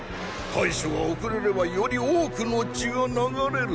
対処が遅れればより多くの血が流れるぞ。